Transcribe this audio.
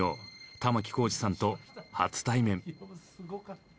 玉置浩二さんと初対面。